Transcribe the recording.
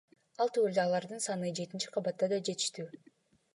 Ал түгүл алардын саны жетинчи кабатта да жетиштүү.